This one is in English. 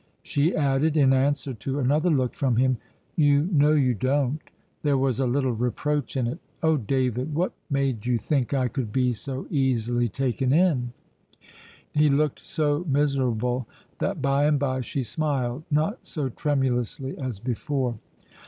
She added, in answer to another look from him: "You know you don't." There was a little reproach in it. "Oh, David, what made you think I could be so easily taken in!" He looked so miserable that by and by she smiled, not so tremulously as before.